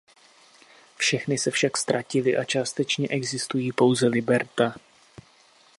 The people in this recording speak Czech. Všechny se však ztratily a částečně existují pouze libreta.